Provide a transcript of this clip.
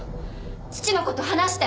父のこと話して！